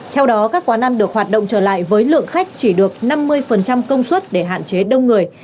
theo đó các quán ăn được hoạt động trở lại với lượng khách chỉ được năm mươi công suất để hạn chế đông người